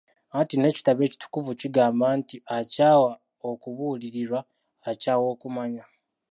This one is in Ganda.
Anti n'ekitabo ekitukuvu kigamba nti akyawa okubuulirirwa akyawa okumanya.